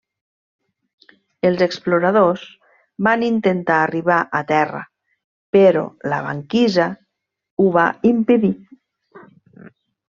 Els exploradors van intentar arribar a terra, però la banquisa ho va impedir.